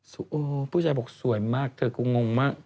โอ้ผู้ชายบอกสวยมากเธอกูงงมาก